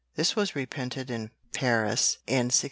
This was reprinted in Paris in 1644.